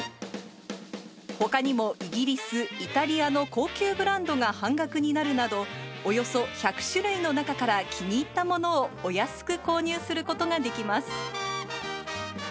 ほかにもイギリス、イタリアの高級ブランドが半額になるなど、およそ１００種類の中から気に入ったものをお安く購入することができます。